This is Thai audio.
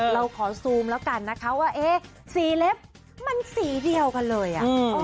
เราขอซูมแล้วกันนะคะว่าเอ๊ะสีเล็บมันสีเดียวกันเลย